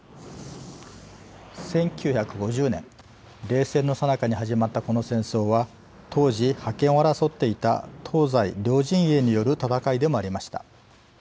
１９５０年、冷戦のさなかに始まったこの戦争は当時、覇権を争っていた東西両陣営による戦いでもありました。